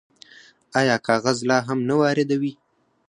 آیا کاغذ لا هم نه واردوي؟